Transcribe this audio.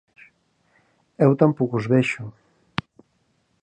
Eu tampouco os vexo.